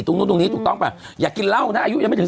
ตรงนู้นตรงนี้ถูกต้องป่ะอย่ากินเหล้านะอายุยังไม่ถึง